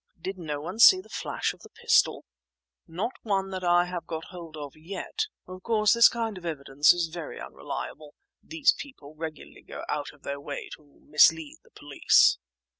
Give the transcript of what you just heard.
"Did no one see the flash of the pistol?" "No one that I have got hold of yet. Of course this kind of evidence is very unreliable; these people regularly go out of their way to mislead the police."